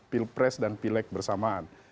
pilpres dan pilek bersamaan